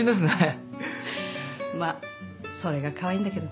まあそれがカワイイんだけどね。